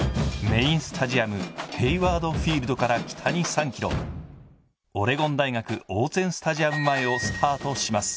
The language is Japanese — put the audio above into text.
メインスタジアムヘイワード・フィールドから３ｋｍオレゴン大学オーツェン・スタジアム前をスタートします。